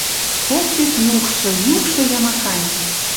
Ох вет юкшы, юкшы йӓ махань!: